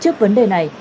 trước vấn đề này